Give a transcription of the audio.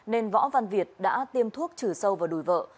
nên võ văn việt đã tiêm thuốc trừ sâu vào đùi vợ